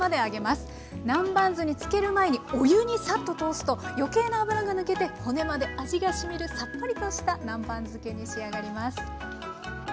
南蛮酢につける前にお湯にサッと通すと余計な油が抜けて骨まで味がしみるさっぱりとした南蛮漬けに仕上がります。